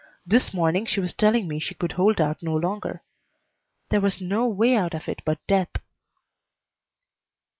This morning she was telling me she could hold out no longer. There was no way out of it but death."